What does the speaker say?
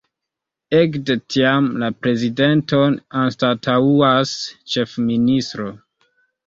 Ekde tiam, la prezidenton anstataŭas ĉefministro.